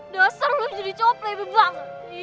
dasar lo jadi coplay bebang